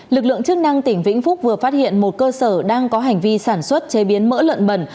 lực lượng chức năng tỉnh vĩnh phúc vừa phát hiện một cơ sở đang có hành vi sản xuất chế biến mỡ lợn bẩn